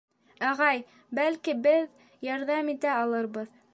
— Ағай, бәлки, беҙ ярҙам итә алырбыҙ.